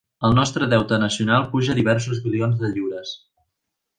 El nostre deute nacional puja a diversos bilions de lliures.